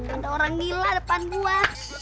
ada orang gila depan gue